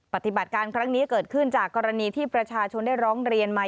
ปฏิบัติการครั้งนี้เกิดขึ้นจากกรณีที่ประชาชนได้ร้องเรียนมา